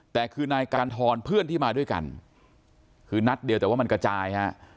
แต่คือนายการทรเพื่อนที่มาด้วยกันคือนัดเดียวแต่ว่ามันกระจายฮะ